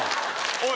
おい！